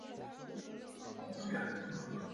弗拉尔夏伊姆是德国图林根州的一个市镇。